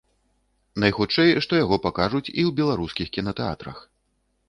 Найхутчэй, што яго пакажуць і ў беларускіх кінатэатрах.